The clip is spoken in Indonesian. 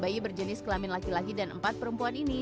bayi berjenis kelamin laki laki dan empat perempuan ini